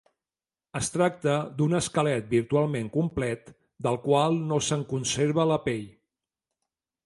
Es tracta d'un esquelet virtualment complet, del qual no se'n conserva la pell.